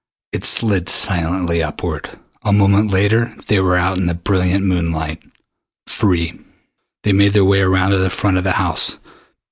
It slid silently upward. A moment later, and they were out in the brilliant moonlight free. They made their way around to the front of the house.